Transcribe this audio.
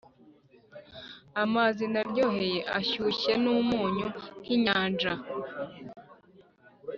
amazi naryoheye arashyushye numunyu, nkinyanja,